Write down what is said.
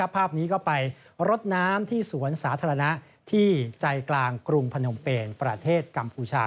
ภาพนี้ก็ไปรดน้ำที่สวนสาธารณะที่ใจกลางกรุงพนมเปนประเทศกัมพูชา